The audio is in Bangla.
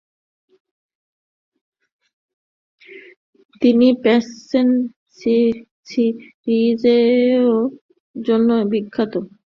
তিনি প্যাশ্চেন সিরিজের জন্যও বিখ্যাত।